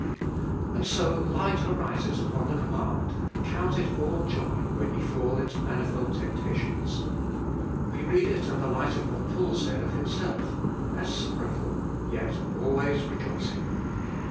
And so light arises upon the command, Count it all joy when ye fall into manifold temptations. We read it in the light of what Paul said of himself, As sorrowful, yet always rejoicing.